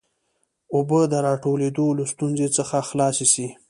اوبو د راټولېدو له ستونزې څخه خلاص سي.